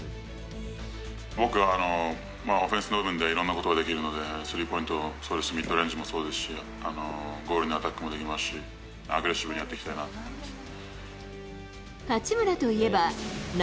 僕はオフェンス部分でいろいろなことができるので、スリーポイント、ミッドレンジもそうですし、ゴールにアタックもできますし、アグレッシブにやっていきたいなって思います。